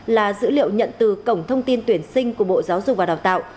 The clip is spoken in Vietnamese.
là dữ liệu nhận từ cổng thông tin tuyển sinh của bộ giáo dục và đào tạo